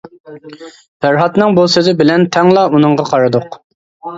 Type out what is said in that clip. پەرھاتنىڭ بۇ سۆزى بىلەن تەڭلا ئۇنىڭغا قارىدۇق.